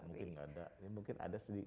mungkin ada sedikit